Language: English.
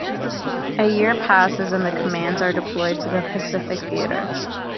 A year passes and the commandos are deployed to the Pacific Theatre.